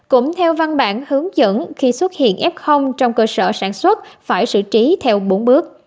cũng theo văn bản hướng dẫn khi xuất hiện f trong cơ sở sản xuất phải xử trí theo bốn bước